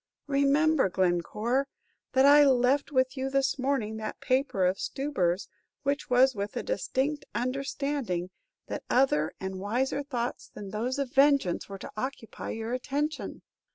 "Remember, Glencore, when I left with you this morning that paper of Stubber's it was with a distinct understanding that other and wiser thoughts than those of vengeance were to occupy your attention.